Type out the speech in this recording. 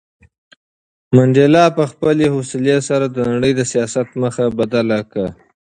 منډېلا په خپلې حوصلې سره د نړۍ د سیاست مخ بدل کړ.